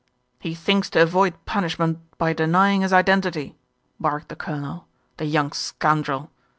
"He thinks to avoid punishment by denying his iden tity," barked the Colonel, "the young scoundrel.